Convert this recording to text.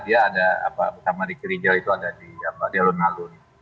dia ada bersama ricky ridjel itu ada di lundalun